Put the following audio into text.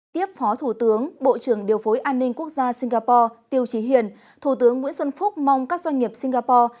tiếp phó thủ tướng bộ trưởng điều phối an ninh quốc gia singapore tiêu trí hiền thủ tướng nguyễn xuân phúc mong các doanh nghiệp singapore